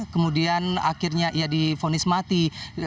kemudian akhirnya ia difonis mati